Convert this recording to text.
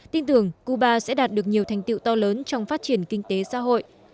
tin tưởng cuba sẽ đạt được nhiều thành tiệu to lớn trong phát triển kinh tế xã hội